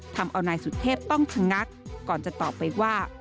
ทำเอานายสุเทพต้องชะงักก่อนจะตอบไปว่า